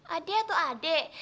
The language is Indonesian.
ade atau ade